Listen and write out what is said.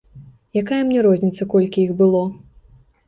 Якая мне розніца, колькі іх было.